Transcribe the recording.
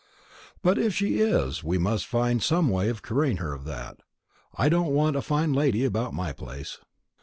"But if she is, we must find some way of curing her of that. I don't want a fine lady about my place.